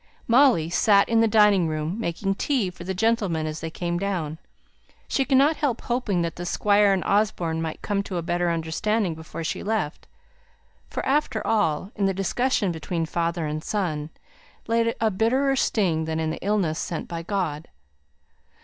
Molly sate in the dining room making tea for the gentlemen as they came down. She could not help hoping that the Squire and Osborne might come to a better understanding before she left; for after all, in the dissension between father and son, lay a bitterer sting than in the illness sent by God.